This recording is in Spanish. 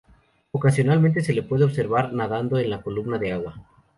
Ocasionalmente se le puede observar nadando en la columna de agua.